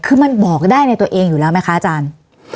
คือมันบอกได้ในตัวเองอยู่แล้วไหมคะอาจารย์